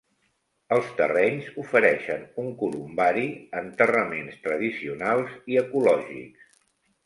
Els terrenys ofereixen un columbari, enterraments tradicionals i ecològics.